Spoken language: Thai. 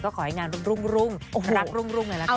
ก็ขอให้งานรุ่งรักรุ่งเลยนะคะ